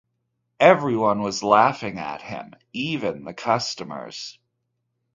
Everyone was laughing at him, even the customers.